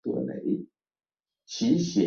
巨海豚是虎鲸般大小的剑吻古豚亲属。